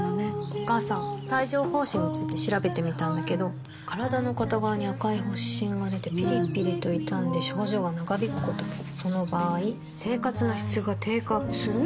お母さん帯状疱疹について調べてみたんだけど身体の片側に赤い発疹がでてピリピリと痛んで症状が長引くこともその場合生活の質が低下する？